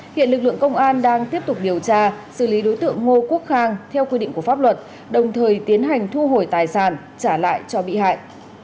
hiện lực lượng công an đang tiếp tục điều tra xử lý đối tượng ngô quốc khang theo quy định của pháp luật đồng thời tiến hành thu hồi tài sản trả lại cho bị hại